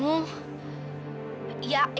aku tuh selalu bingung